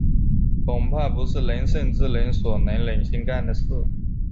恐怕不是仁圣之人所能忍心干的事。